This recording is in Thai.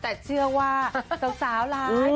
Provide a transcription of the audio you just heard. แต่เชื่อว่าสาวหลาย